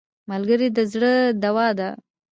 ملګری د زړه دوا ده